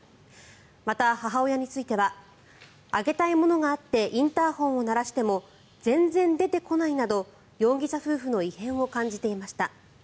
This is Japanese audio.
また、母親についてはあげたいものがあってインターホンを鳴らしても全然出てこないなど容疑者夫婦の異変を感じていました。